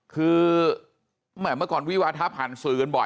คือเมื่อก่อนวิวาทะผ่านสื่อกันบ่อย